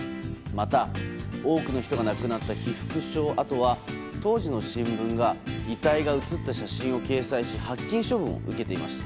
また、多くの人が亡くなった被服廠跡は当時の新聞が遺体が写った写真を掲載し発禁処分を受けていました。